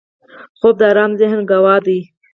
خوب د آرام ذهن ګواه دی